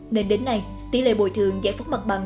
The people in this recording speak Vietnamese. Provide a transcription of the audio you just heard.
nên đến nay tỷ lệ bồi thường giải phóng mặt bằng